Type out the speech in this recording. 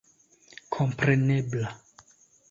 komprenebla